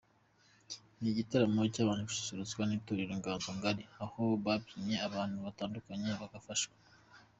Ni igitaramo cyabanje gususurutswa n’itorero Inganzo Ngari aho babyinnye abantu batandukanye bakabafasha.